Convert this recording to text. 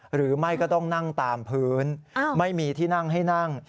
หรือไม่ก็ต้องนั่งตามพื้นไม่มีที่นั่งให้นั่ง